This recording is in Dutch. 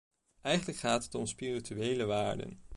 Eigenlijk gaat het om spirituele waarden.